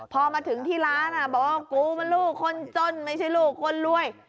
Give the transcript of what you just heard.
พอมาถึงที่ร้านบอกว่ากูมันลูกคนจนไม่ใช่ลูกคนรวย